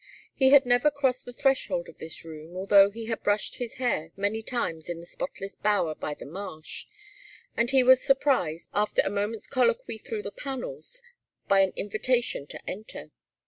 He had never crossed the threshold of this room although he had brushed his hair many times in the spotless bower by the marsh, and he was surprised, after a moment's colloquy through the panels, by an invitation to enter.